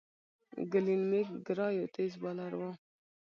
گلين میک ګرا یو تېز بالر وو.